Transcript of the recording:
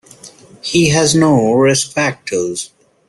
He has no risk factors.